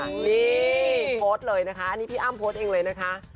นี่โพสต์เลยนะคะอันนี้พี่อ้ำโพสต์เองเลยนะคะ